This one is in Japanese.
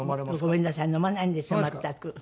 ごめんなさい飲まないんですよ全く。